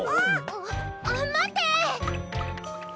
あっまって！